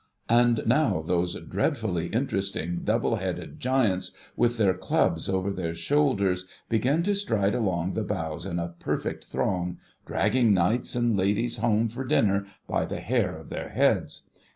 And now, those dread fully interesting, double headed giants, with their clubs over their shoulders, begin to stride along the boughs in a j)erfect throng, dragging knights and ladies home for dinner by the hair of their heads.